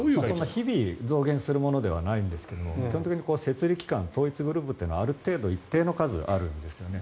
日々増減するものではないんですが基本的に設備機関統一グループというのはある程度一定の数あるんですよね。